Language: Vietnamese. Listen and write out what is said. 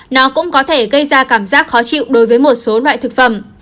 nó cũng có thể gây ra cảm giác khó chịu đối với một số loại thực phẩm